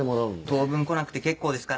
当分来なくて結構ですから。